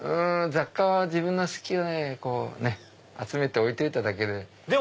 雑貨は自分の好きなように集めて置いといただけで。